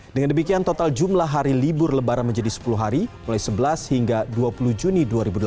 dengan demikian total jumlah hari libur lebaran menjadi sepuluh hari mulai sebelas hingga dua puluh juni dua ribu delapan belas